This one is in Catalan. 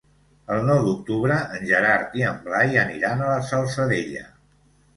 El nou d'octubre en Gerard i en Blai aniran a la Salzadella.